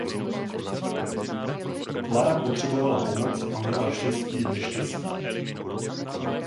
Lara potřebovala pomoc a měla štěstí v neštěstí.